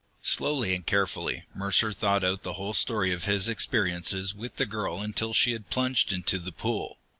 Slowly and carefully Mercer thought out the whole story of his experiences with the girl until she had plunged into the pool.